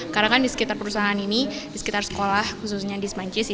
karena kan di sekitar perusahaan ini di sekitar sekolah khususnya di sma satu cisarua